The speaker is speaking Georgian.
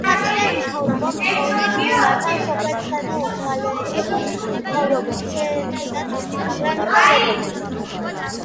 საბჭოთა მთავრობამ თხოვნით მიმართა სომხეთისა და ოსმალეთის მთავრობებს შეეწყვიტათ ომი, მაგრამ უშედეგოდ.